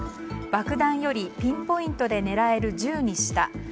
爆弾よりピンポイントで狙える銃にした。